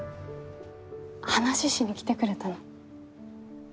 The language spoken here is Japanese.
話しに来てくれたの？